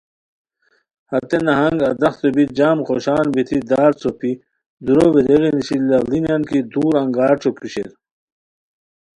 ہتے نہنگ ادرختو بی جم خوشان بیتی دار څوپی، دورو ویریغی نیسی لاڑینیان کی دور انگار ݯوکی شیر